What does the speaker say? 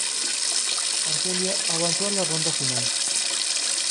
Argelia avanzó a la ronda final.